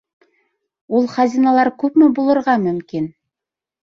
Ул хазиналар күпме булырға мөмкин?